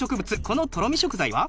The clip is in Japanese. このとろみ食材は？